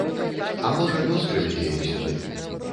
А можа лёс прывядзе іх сюды.